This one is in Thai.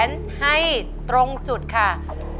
ไม่ตรงจุดค่ะ